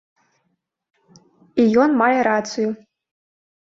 І ён мае рацыю.